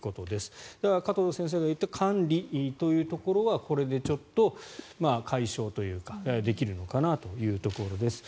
加藤先生が言った管理というところはこれでちょっと解消というかできるのかなというところです。